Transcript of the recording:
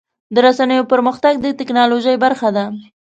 د رسنیو پرمختګ د ټکنالوژۍ برخه ده.